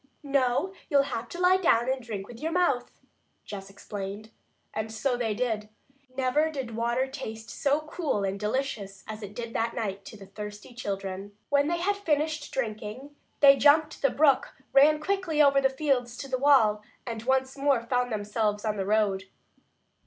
"No, you'll have to lie down and drink with your mouth," Jess explained. And so they did. Never did water taste so cool and delicious as it did that night to the thirsty children. When they had finished drinking they jumped the brook, ran quickly over the fields to the wall, and once more found themselves on the road.